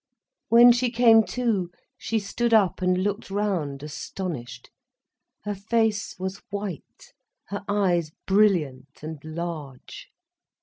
When she came to, she stood up and looked round, astonished. Her face was white, her eyes brilliant and large.